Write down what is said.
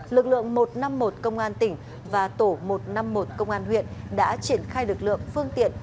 lực lượng một trăm năm mươi một công an tỉnh và tổ một trăm năm mươi một công an huyện đã triển khai lực lượng phương tiện